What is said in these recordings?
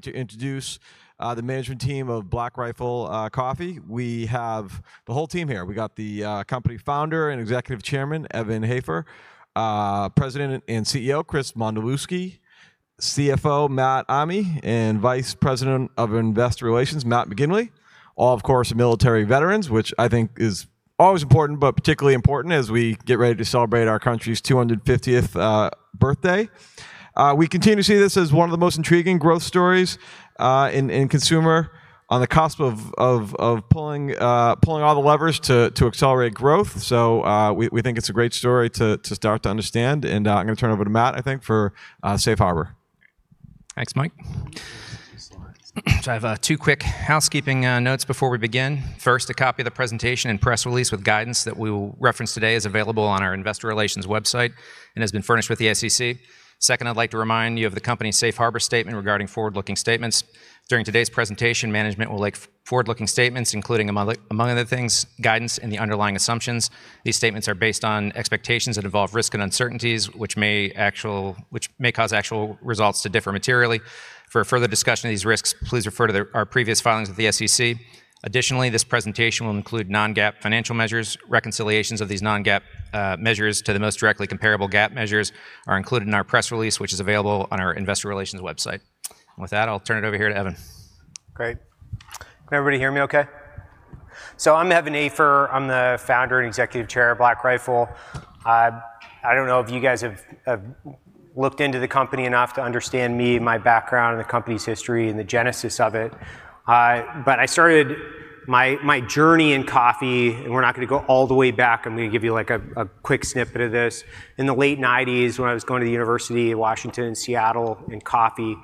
To introduce the management team of Black Rifle Coffee. We have the whole team here. We got the company founder and Executive Chairman, Evan Hafer, President and CEO, Chris Mondzelewski, CFO, Matt Amigh, and Vice President of Investor Relations, Matt McGinley. All, of course, military veterans, which I think is always important, but particularly important as we get ready to celebrate our country's 250th birthday. We continue to see this as one of the most intriguing growth stories in consumer on the cusp of pulling all the levers to accelerate growth, so we think it's a great story to start to understand, and I'm going to turn it over to Matt, I think, for Safe Harbor. Thanks, Mike. I have two quick housekeeping notes before we begin. First, a copy of the presentation and press release with guidance that we will reference today is available on our investor relations website and has been furnished with the SEC. Second, I'd like to remind you of the company's Safe Harbor statement regarding forward-looking statements. During today's presentation, management will make forward-looking statements, including among other things, guidance and the underlying assumptions. These statements are based on expectations that involve risk and uncertainties, which may cause actual results to differ materially. For further discussion of these risks, please refer to our previous filings with the SEC. Additionally, this presentation will include non-GAAP financial measures. Reconciliations of these non-GAAP measures to the most directly comparable GAAP measures are included in our press release, which is available on our investor relations website. And with that, I'll turn it over here to Evan. Great. Can everybody hear me okay? So I'm Evan Hafer. I'm the Founder and Executive Chairman of Black Rifle. I don't know if you guys have looked into the company enough to understand me, my background, and the company's history and the genesis of it. But I started my journey in coffee, and we're not going to go all the way back. I'm going to give you a quick snippet of this. In the late 1990s, when I was going to the University of Washington in Seattle in coffee,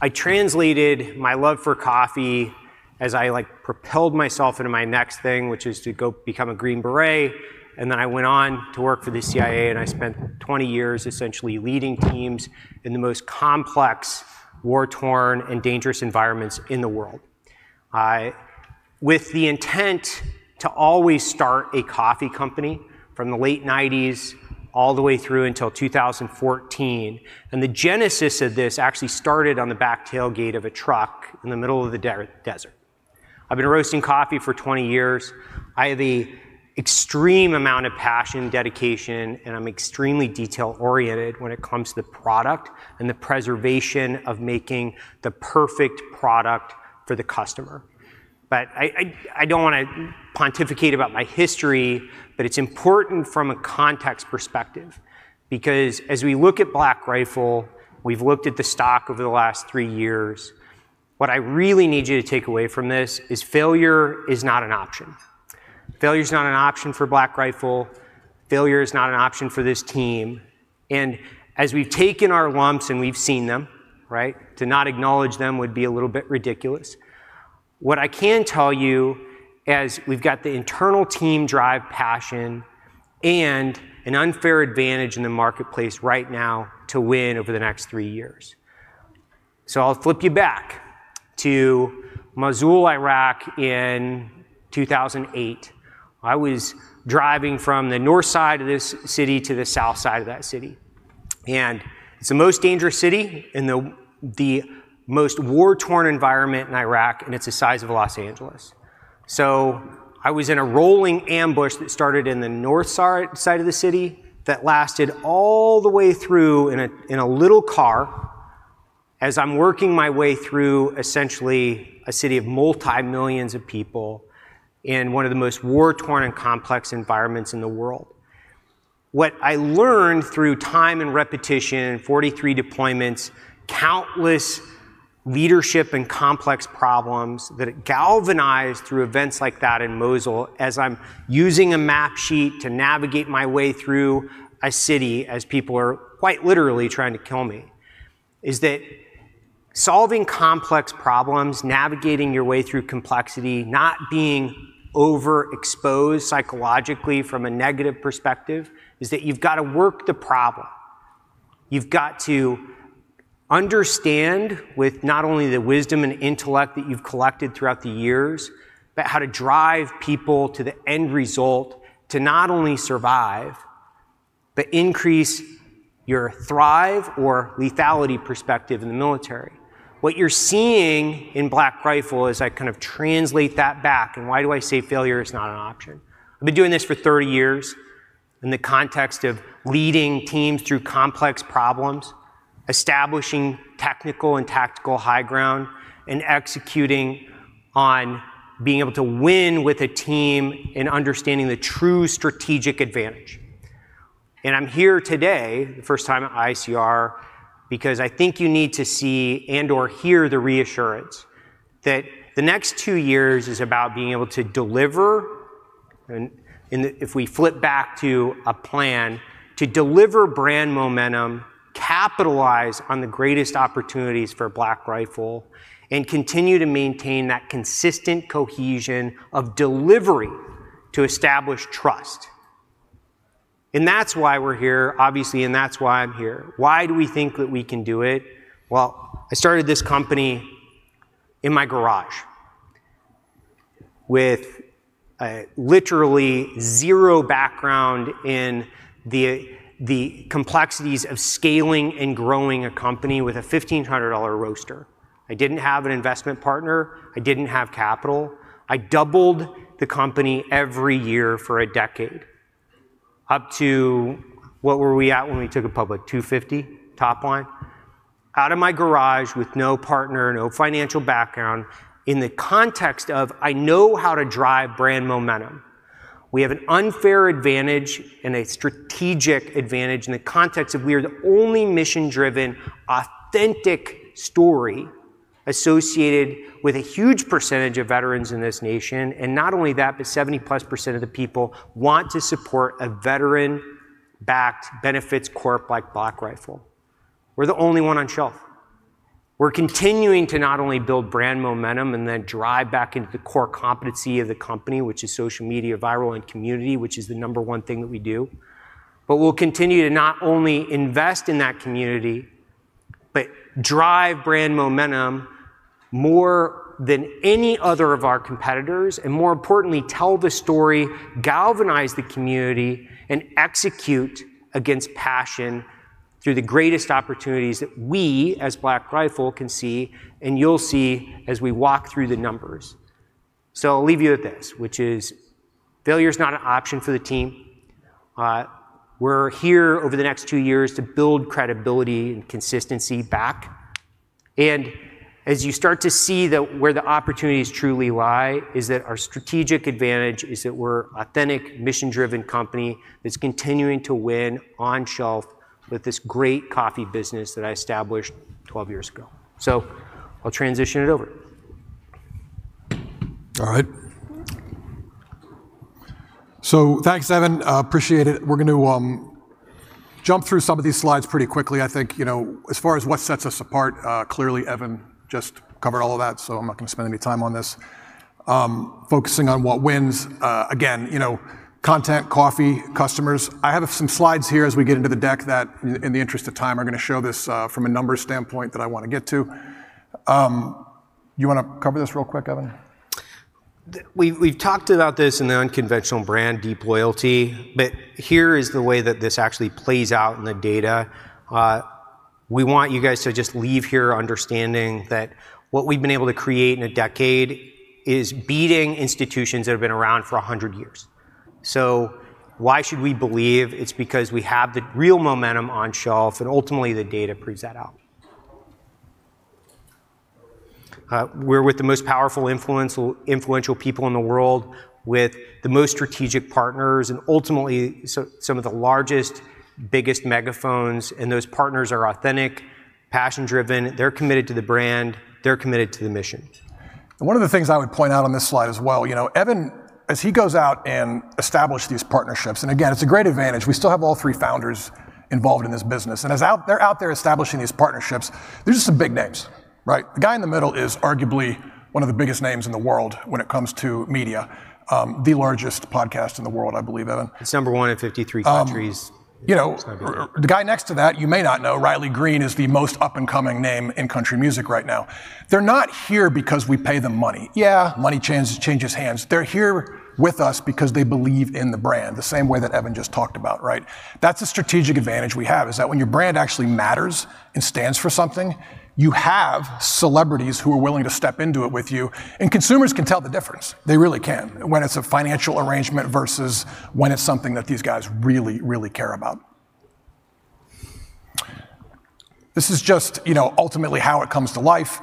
I translated my love for coffee as I propelled myself into my next thing, which was to become a Green Beret. And then I went on to work for the CIA, and I spent 20 years essentially leading teams in the most complex, war-torn, and dangerous environments in the world, with the intent to always start a coffee company from the late 1990s all the way through until 2014. And the genesis of this actually started on the back tailgate of a truck in the middle of the desert. I've been roasting coffee for 20 years. I have the extreme amount of passion, dedication, and I'm extremely detail-oriented when it comes to the product and the preservation of making the perfect product for the customer. But I don't want to pontificate about my history, but it's important from a context perspective, because as we look at Black Rifle, we've looked at the stock over the last three years. What I really need you to take away from this is failure is not an option. Failure is not an option for Black Rifle. Failure is not an option for this team, and as we've taken our lumps and we've seen them, right, to not acknowledge them would be a little bit ridiculous. What I can tell you is we've got the internal team drive, passion, and an unfair advantage in the marketplace right now to win over the next three years, so I'll flip you back to Mosul, Iraq, in 2008. I was driving from the north side of this city to the south side of that city, and it's the most dangerous city in the most war-torn environment in Iraq, and it's the size of Los Angeles. So I was in a rolling ambush that started in the north side of the city that lasted all the way through in a little car as I'm working my way through essentially a city of multimillions of people in one of the most war-torn and complex environments in the world. What I learned through time and repetition, 43 deployments, countless leadership and complex problems that galvanized through events like that in Mosul, as I'm using a map sheet to navigate my way through a city as people are quite literally trying to kill me, is that solving complex problems, navigating your way through complexity, not being overexposed psychologically from a negative perspective, is that you've got to work the problem. You've got to understand with not only the wisdom and intellect that you've collected throughout the years, but how to drive people to the end result to not only survive, but increase your thrive or lethality perspective in the military. What you're seeing in Black Rifle as I kind of translate that back, and why do I say failure is not an option. I've been doing this for 30 years in the context of leading teams through complex problems, establishing technical and tactical high ground, and executing on being able to win with a team and understanding the true strategic advantage. And I'm here today, the first time at ICR, because I think you need to see and/or hear the reassurance that the next two years is about being able to deliver. And if we flip back to a plan to deliver brand momentum, capitalize on the greatest opportunities for Black Rifle, and continue to maintain that consistent cohesion of delivery to establish trust. And that's why we're here, obviously, and that's why I'm here. Why do we think that we can do it? Well, I started this company in my garage with literally zero background in the complexities of scaling and growing a company with a $1,500 roaster. I didn't have an investment partner. I didn't have capital. I doubled the company every year for a decade, up to what were we at when we took it public? $250 top line. Out of my garage with no partner, no financial background, in the context of I know how to drive brand momentum. We have an unfair advantage and a strategic advantage in the context of we are the only mission-driven, authentic story associated with a huge percentage of veterans in this nation. Not only that, but 70-plus% of the people want to support a veteran-backed benefit corp like Black Rifle. We're the only one on shelf. We're continuing to not only build brand momentum and then drive back into the core competency of the company, which is social media, viral, and community, which is the number one thing that we do, but we'll continue to not only invest in that community, but drive brand momentum more than any other of our competitors, and more importantly, tell the story, galvanize the community, and execute against passion through the greatest opportunities that we as Black Rifle can see and you'll see as we walk through the numbers. So I'll leave you with this, which is, failure is not an option for the team. We're here over the next two years to build credibility and consistency back. And as you start to see where the opportunities truly lie is that our strategic advantage is that we're an authentic, mission-driven company that's continuing to win on shelf with this great coffee business that I established 12 years ago. So I'll transition it over. All right, so thanks, Evan. Appreciate it. We're going to jump through some of these slides pretty quickly. I think as far as what sets us apart, clearly, Evan just covered all of that, so I'm not going to spend any time on this. Focusing on what wins, again, content, coffee, customers. I have some slides here as we get into the deck that, in the interest of time, are going to show this from a numbers standpoint that I want to get to. You want to cover this real quick, Evan? We've talked about this in the unconventional brand deep loyalty, but here is the way that this actually plays out in the data. We want you guys to just leave here understanding that what we've been able to create in a decade is beating institutions that have been around for 100 years. So why should we believe? It's because we have the real momentum on shelf, and ultimately, the data proves that out. We're with the most powerful, influential people in the world, with the most strategic partners, and ultimately, some of the largest, biggest megaphones. And those partners are authentic, passion-driven. They're committed to the brand. They're committed to the mission. One of the things I would point out on this slide as well, Evan, as he goes out and establishes these partnerships, and again, it's a great advantage. We still have all three founders involved in this business. As they're out there establishing these partnerships, they're just some big names, right? The guy in the middle is arguably one of the biggest names in the world when it comes to media, the largest podcast in the world, I believe, Evan. It's number one in 53 countries. The guy next to that, you may not know, Riley Green is the most up-and-coming name in country music right now. They're not here because we pay them money. Yeah, money changes hands. They're here with us because they believe in the brand, the same way that Evan just talked about, right? That's a strategic advantage we have, is that when your brand actually matters and stands for something, you have celebrities who are willing to step into it with you, and consumers can tell the difference. They really can when it's a financial arrangement versus when it's something that these guys really, really care about. This is just ultimately how it comes to life.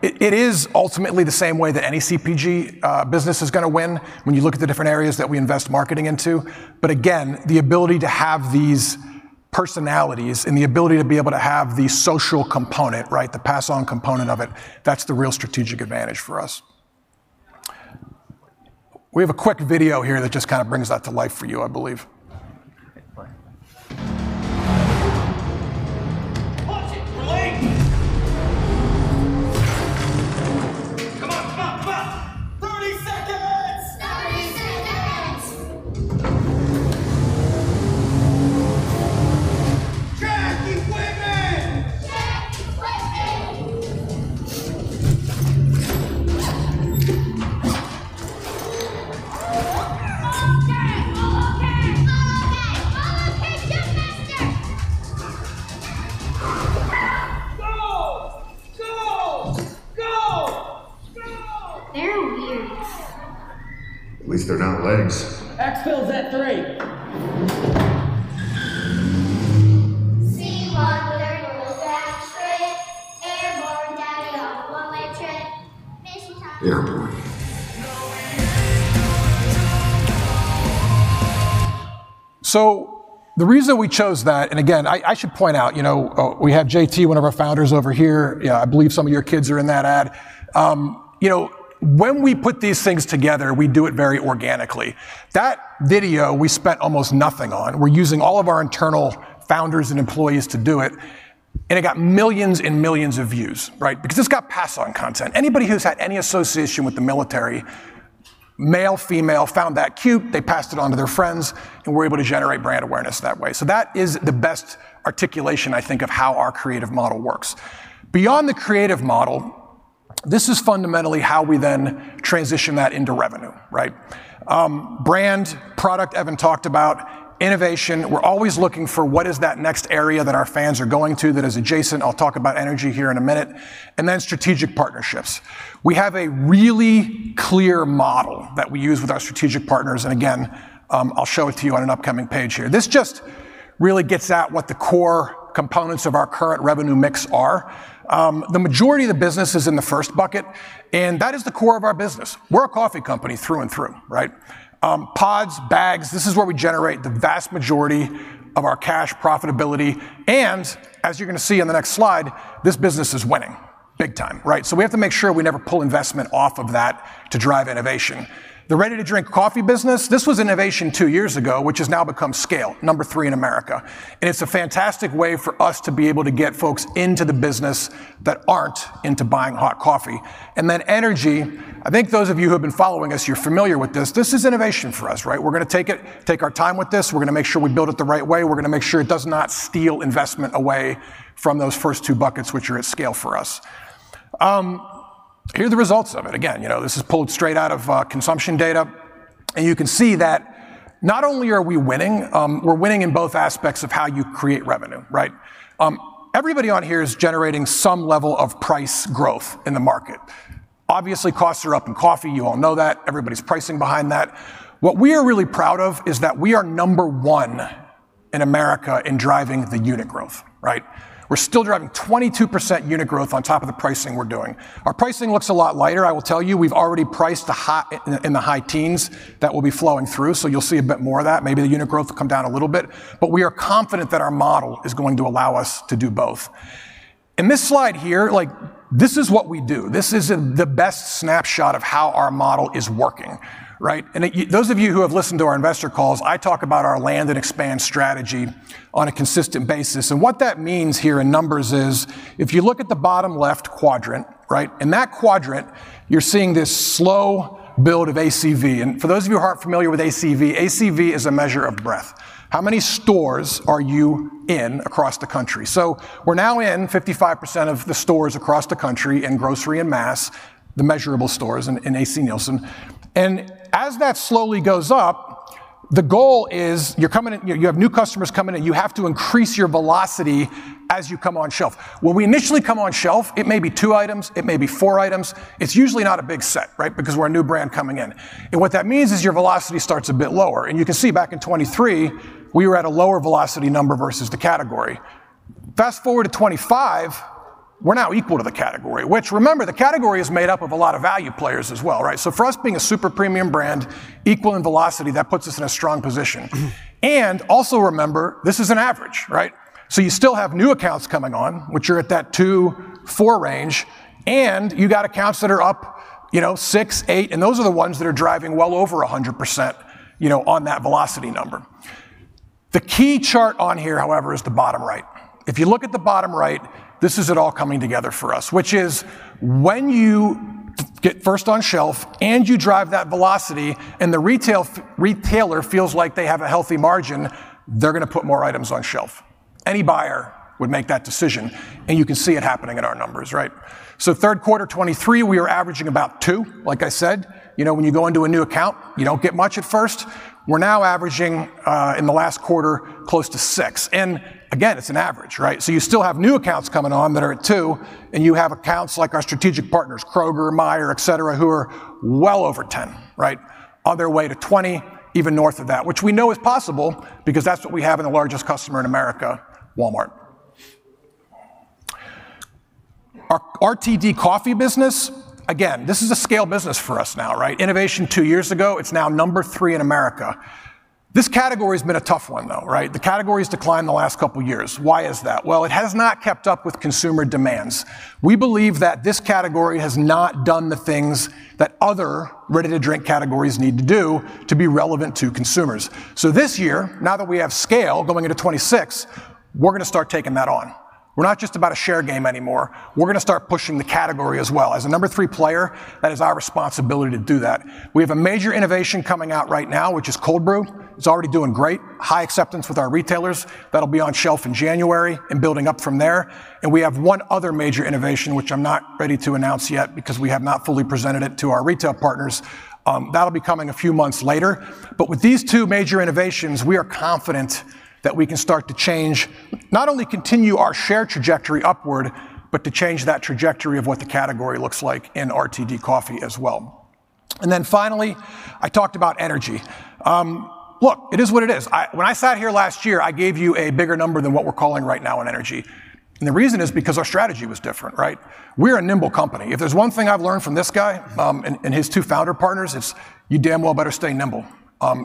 It is ultimately the same way that any CPG business is going to win when you look at the different areas that we invest marketing into. But again, the ability to have these personalities and the ability to be able to have the social component, right, the pass-on component of it, that's the real strategic advantage for us. We have a quick video here that just kind of brings that to life for you, I believe. 30 seconds! 30 seconds! Jackie Whitman! Jackie Whitman! All okay! All okay! All okay! Jumpmaster! Go! Go! Go! They're weird. At least they're not legs. X-Field Z3. C1 with a rollback trip. Airborne, daddy, on a one-way trip. Airborne. So the reason we chose that, and again, I should point out, we have JT, one of our founders, over here. I believe some of your kids are in that ad. When we put these things together, we do it very organically. That video, we spent almost nothing on. We're using all of our internal founders and employees to do it. And it got millions and millions of views, right? Because it's got pass-on content. Anybody who's had any association with the military, male, female, found that cute. They passed it on to their friends, and we're able to generate brand awareness that way. So that is the best articulation, I think, of how our creative model works. Beyond the creative model, this is fundamentally how we then transition that into revenue, right? Brand, product, Evan talked about, innovation. We're always looking for what is that next area that our fans are going to that is adjacent. I'll talk about energy here in a minute, and then strategic partnerships. We have a really clear model that we use with our strategic partners, and again, I'll show it to you on an upcoming page here. This just really gets at what the core components of our current revenue mix are. The majority of the business is in the first bucket, and that is the core of our business. We're a coffee company through and through, right? Pods, bags, this is where we generate the vast majority of our cash profitability, and as you're going to see on the next slide, this business is winning big time, right, so we have to make sure we never pull investment off of that to drive innovation. The ready-to-drink coffee business, this was innovation two years ago, which has now become scale, number three in America, and it's a fantastic way for us to be able to get folks into the business that aren't into buying hot coffee, and then energy, I think those of you who have been following us, you're familiar with this. This is innovation for us, right? We're going to take our time with this. We're going to make sure we build it the right way. We're going to make sure it does not steal investment away from those first two buckets, which are at scale for us. Here are the results of it. Again, this is pulled straight out of consumption data, and you can see that not only are we winning, we're winning in both aspects of how you create revenue, right? Everybody on here is generating some level of price growth in the market. Obviously, costs are up in coffee. You all know that. Everybody's pricing behind that. What we are really proud of is that we are number one in America in driving the unit growth, right? We're still driving 22% unit growth on top of the pricing we're doing. Our pricing looks a lot lighter. I will tell you, we've already priced in the high teens that will be flowing through. So you'll see a bit more of that. Maybe the unit growth will come down a little bit. But we are confident that our model is going to allow us to do both. In this slide here, this is what we do. This is the best snapshot of how our model is working, right? Those of you who have listened to our investor calls, I talk about our land and expand strategy on a consistent basis. What that means here in numbers is if you look at the bottom left quadrant, right? In that quadrant, you're seeing this slow build of ACV. For those of you who aren't familiar with ACV, ACV is a measure of breadth. How many stores are you in across the country? We're now in 55% of the stores across the country in grocery and mass, the measurable stores in AC Nielsen. As that slowly goes up, the goal is you have new customers coming in. You have to increase your velocity as you come on shelf. When we initially come on shelf, it may be two items. It may be four items. It's usually not a big set, right? Because we're a new brand coming in. And what that means is your velocity starts a bit lower. And you can see back in 2023, we were at a lower velocity number versus the category. Fast forward to 2025, we're now equal to the category, which remember, the category is made up of a lot of value players as well, right? So for us being a super premium brand, equal in velocity, that puts us in a strong position. And also remember, this is an average, right? So you still have new accounts coming on, which are at that 2-4 range. And you've got accounts that are up 6-8. And those are the ones that are driving well over 100% on that velocity number. The key chart on here, however, is the bottom right. If you look at the bottom right, this is it all coming together for us, which is when you get first on shelf and you drive that velocity and the retailer feels like they have a healthy margin, they're going to put more items on shelf. Any buyer would make that decision. And you can see it happening in our numbers, right? So third quarter 2023, we were averaging about two. Like I said, when you go into a new account, you don't get much at first. We're now averaging in the last quarter close to six. And again, it's an average, right? So you still have new accounts coming on that are at two. And you have accounts like our strategic partners, Kroger, Meijer, etc., who are well over 10, right? On their way to 20, even north of that, which we know is possible because that's what we have in the largest customer in America, Walmart. Our RTD coffee business, again, this is a scale business for us now, right? Innovation two years ago, it's now number three in America. This category has been a tough one, though, right? The category has declined the last couple of years. Why is that? Well, it has not kept up with consumer demands. We believe that this category has not done the things that other ready-to-drink categories need to do to be relevant to consumers. So this year, now that we have scale going into 2026, we're going to start taking that on. We're not just about a share game anymore. We're going to start pushing the category as well. As a number three player, that is our responsibility to do that. We have a major innovation coming out right now, which is Cold Brew. It's already doing great, high acceptance with our retailers. That'll be on shelf in January and building up from there. And we have one other major innovation, which I'm not ready to announce yet because we have not fully presented it to our retail partners. That'll be coming a few months later. But with these two major innovations, we are confident that we can start to change, not only continue our share trajectory upward, but to change that trajectory of what the category looks like in RTD coffee as well. And then finally, I talked about energy. Look, it is what it is. When I sat here last year, I gave you a bigger number than what we're calling right now in energy. And the reason is because our strategy was different, right? We're a nimble company. If there's one thing I've learned from this guy and his two founder partners, it's you damn well better stay nimble.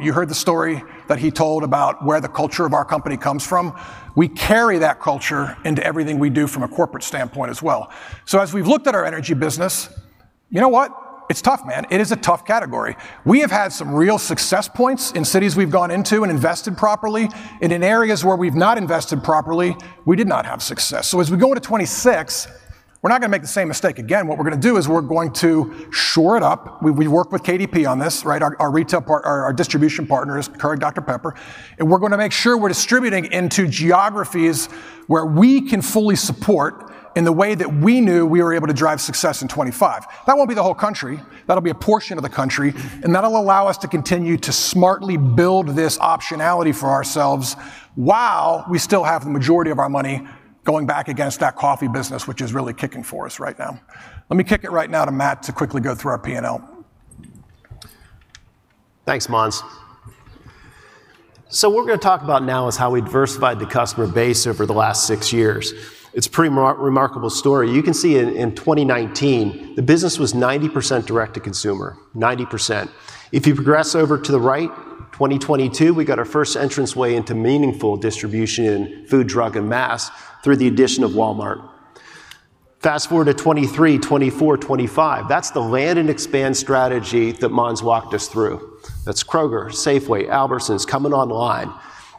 You heard the story that he told about where the culture of our company comes from. We carry that culture into everything we do from a corporate standpoint as well. So as we've looked at our energy business, you know what? It's tough, man. It is a tough category. We have had some real success points in cities we've gone into and invested properly. And in areas where we've not invested properly, we did not have success. So as we go into 2026, we're not going to make the same mistake again. What we're going to do is we're going to shore it up. We've worked with KDP on this, right? Our distribution partners, Keurig Dr Pepper. We're going to make sure we're distributing into geographies where we can fully support in the way that we knew we were able to drive success in 2025. That won't be the whole country. That'll be a portion of the country. And that'll allow us to continue to smartly build this optionality for ourselves while we still have the majority of our money going back against that coffee business, which is really kicking for us right now. Let me kick it right now to Matt to quickly go through our P&L. Thanks, Mons. So what we're going to talk about now is how we diversified the customer base over the last six years. It's a pretty remarkable story. You can see in 2019, the business was 90% direct-to-consumer, 90%. If you progress over to the right, 2022, we got our first entrance way into meaningful distribution in food, drug, and mass through the addition of Walmart. Fast forward to 2023, 2024, 2025, that's the land and expand strategy that Mons walked us through. That's Kroger, Safeway, Albertsons coming online.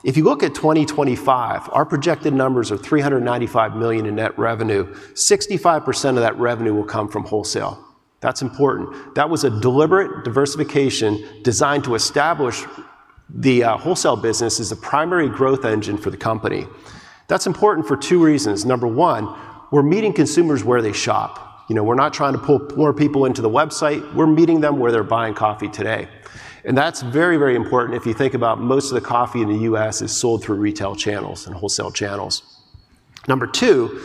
If you look at 2025, our projected numbers are $395 million in net revenue. 65% of that revenue will come from wholesale. That's important. That was a deliberate diversification designed to establish the wholesale business as a primary growth engine for the company. That's important for two reasons. Number one, we're meeting consumers where they shop. We're not trying to pull more people into the website. We're meeting them where they're buying coffee today. And that's very, very important if you think about most of the coffee in the U.S. is sold through retail channels and wholesale channels. Number two,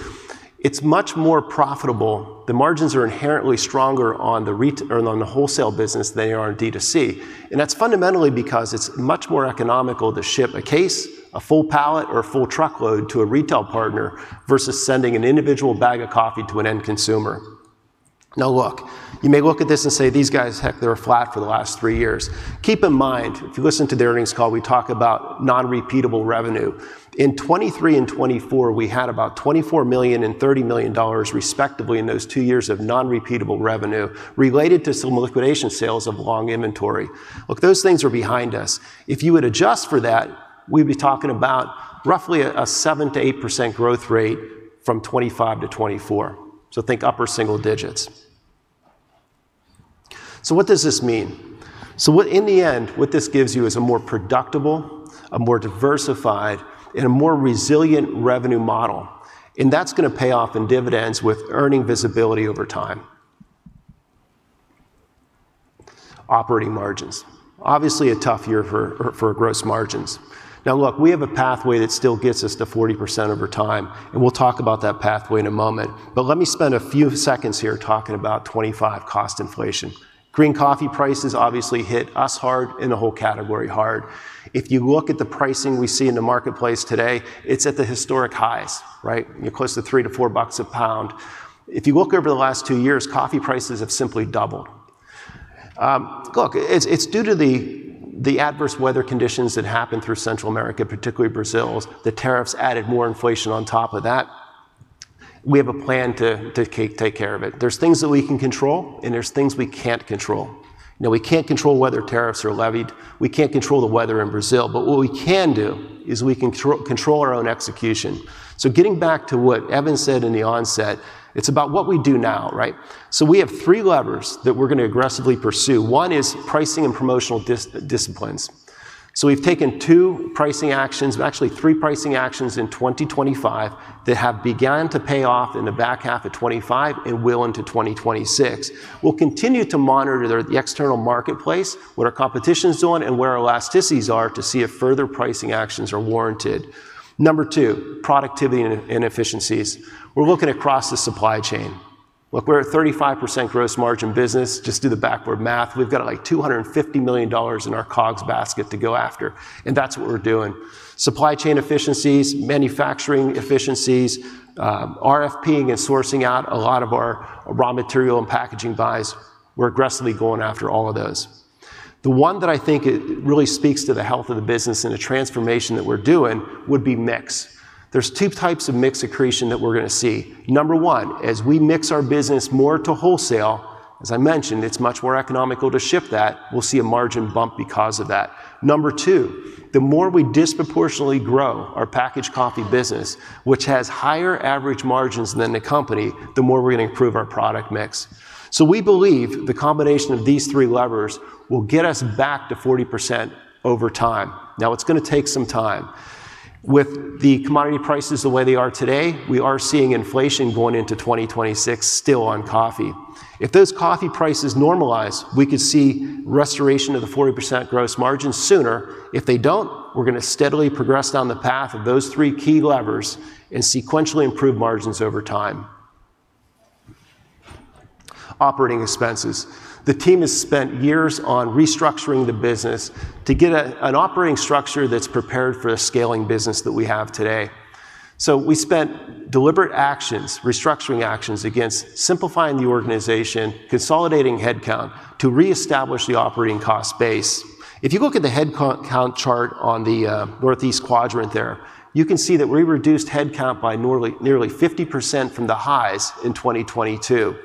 it's much more profitable. The margins are inherently stronger on the wholesale business than they are in D to C. And that's fundamentally because it's much more economical to ship a case, a full pallet, or a full truckload to a retail partner versus sending an individual bag of coffee to an end consumer. Now look, you may look at this and say, "These guys, heck, they're flat for the last three years." Keep in mind, if you listen to the earnings call, we talk about non-repeatable revenue. In 2023 and 2024, we had about $24 million and $30 million, respectively, in those two years of non-repeatable revenue related to some liquidation sales of long inventory. Look, those things are behind us. If you would adjust for that, we'd be talking about roughly a 7-8% growth rate from 2025 to 2024. Think upper single digits. What does this mean? In the end, what this gives you is a more predictable, a more diversified, and a more resilient revenue model. That's going to pay off in dividends with earnings visibility over time. Operating margins. Obviously, a tough year for gross margins. Now look, we have a pathway that still gets us to 40% over time. We'll talk about that pathway in a moment. Let me spend a few seconds here talking about 2025 cost inflation. Green coffee prices obviously hit us hard and the whole category hard. If you look at the pricing we see in the marketplace today, it's at the historic highs, right? You're close to $3-$4 a pound. If you look over the last two years, coffee prices have simply doubled. Look, it's due to the adverse weather conditions that happened through Central America, particularly Brazil's. The tariffs added more inflation on top of that. We have a plan to take care of it. There's things that we can control, and there's things we can't control. Now, we can't control whether tariffs are levied. We can't control the weather in Brazil. But what we can do is we can control our own execution. So getting back to what Evan said in the onset, it's about what we do now, right? So we have three levers that we're going to aggressively pursue. One is pricing and promotional disciplines. So we've taken two pricing actions, actually three pricing actions in 2025 that have begun to pay off in the back half of 2025 and will into 2026. We'll continue to monitor the external marketplace, what our competition's doing, and where our elasticities are to see if further pricing actions are warranted. Number two, productivity and efficiencies. We're looking across the supply chain. Look, we're at 35% gross margin business. Just do the backward math. We've got like $250 million in our COGS basket to go after. And that's what we're doing. Supply chain efficiencies, manufacturing efficiencies, RFPing and sourcing out a lot of our raw material and packaging buys. We're aggressively going after all of those. The one that I think really speaks to the health of the business and the transformation that we're doing would be mix. There's two types of mix accretion that we're going to see. Number one, as we mix our business more to wholesale, as I mentioned, it's much more economical to ship that. We'll see a margin bump because of that. Number two, the more we disproportionately grow our packaged coffee business, which has higher average margins than the company, the more we're going to improve our product mix. So we believe the combination of these three levers will get us back to 40% over time. Now, it's going to take some time. With the commodity prices the way they are today, we are seeing inflation going into 2026 still on coffee. If those coffee prices normalize, we could see restoration of the 40% gross margin sooner. If they don't, we're going to steadily progress down the path of those three key levers and sequentially improve margins over time. Operating expenses. The team has spent years on restructuring the business to get an operating structure that's prepared for the scaling business that we have today. So we spent deliberate actions, restructuring actions against simplifying the organization, consolidating headcount to reestablish the operating cost base. If you look at the headcount chart on the northeast quadrant there, you can see that we reduced headcount by nearly 50% from the highs in 2022.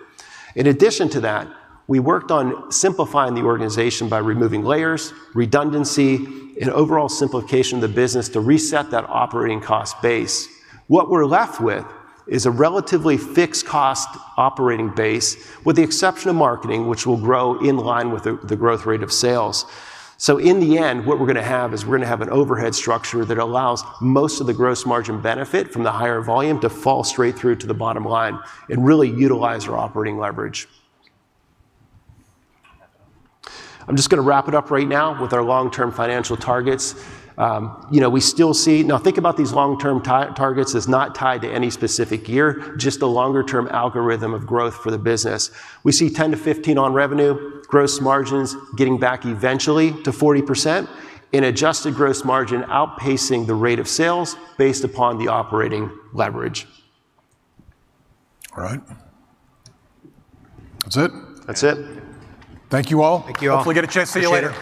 In addition to that, we worked on simplifying the organization by removing layers, redundancy, and overall simplification of the business to reset that operating cost base. What we're left with is a relatively fixed cost operating base with the exception of marketing, which will grow in line with the growth rate of sales. So in the end, what we're going to have is we're going to have an overhead structure that allows most of the gross margin benefit from the higher volume to fall straight through to the bottom line and really utilize our operating leverage. I'm just going to wrap it up right now with our long-term financial targets. We still see. Now think about these long-term targets as not tied to any specific year, just the longer-term algorithm of growth for the business. We see 10%-15% on revenue, gross margins getting back eventually to 40%, and adjusted gross margin outpacing the rate of sales based upon the operating leverage. All right. That's it? That's it. Thank you all. Thank you all. Hopefully get a chance to see you later.